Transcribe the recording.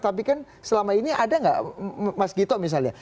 tapi kan selama ini ada nggak mas gito misalnya